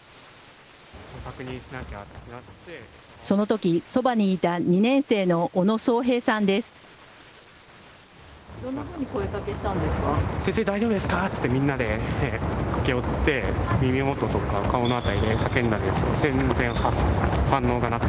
そのとき、そばにいた２年生の小野蒼平さんです。